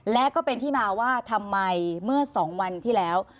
และก็เป็นที่มาว่าทำไมเมื่อ๒วันที่แล้ว